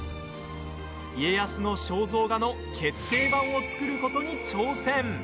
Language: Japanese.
家康の肖像画の決定版を作ることに挑戦。